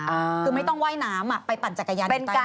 คือไม่ต้องว่ายน้ำไปปั่นจักรยานอยู่ใต้น้ำ